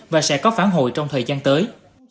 và sẽ có phán hội trong thời gian tới